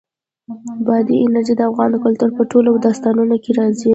بادي انرژي د افغان کلتور په ټولو داستانونو کې راځي.